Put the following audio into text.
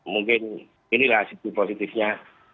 mungkin inilah situ positifnya